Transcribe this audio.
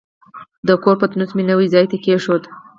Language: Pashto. د کور پتنوس مې نوي ځای ته کېښود.